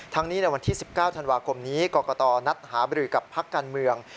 นี้ในวันที่๑๙ธันวาคมนี้กรกตนัดหาบริกับพักการเมือง